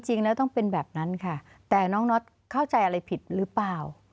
จริงแล้วต้องเป็นแบบนั้นค่ะแต่น้องน็อตเข้าใจอะไรผิดหรือเปล่า